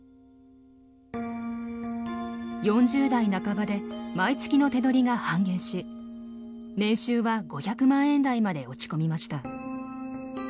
４０代半ばで毎月の手取りが半減し年収は５００万円台まで落ち込みました。